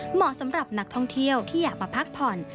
เหมาะสำหรับนักท่องเที่ยวที่อยากมาพักผ่อน